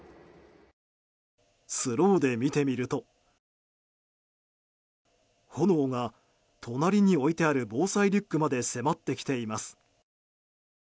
スローで見てみると炎が隣に置いてある防災リュックまで迫ってきています。